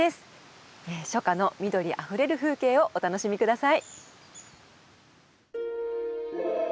初夏の緑あふれる風景をお楽しみ下さい。